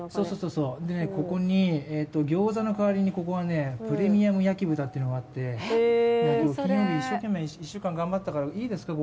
ここにギョーザの代わりに、ここはプレムアム焼き豚っていうのがあって金曜日、一生懸命、１週間頑張ったからいいかな？